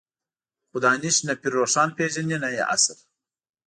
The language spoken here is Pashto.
خو دانش نه پير روښان پېژني نه يې عصر.